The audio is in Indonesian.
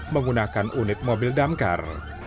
menggunakan unit mobil damkar